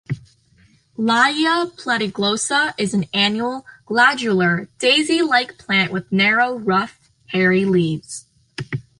"Layia platyglossa" is an annual, glandular, daisy like plant with narrow, rough hairy leaves.